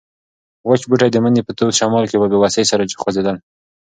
وچ بوټي د مني په تود شمال کې په بې وسۍ سره خوځېدل.